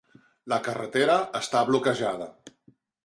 La carretera està bloquejada.